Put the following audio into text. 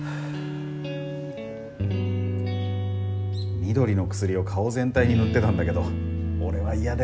緑の薬を顔全体に塗ってたんだけど俺は嫌でねえ。